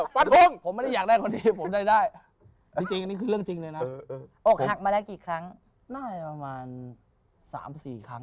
ไม่เคยซื้องูกหักหลอกหิวิต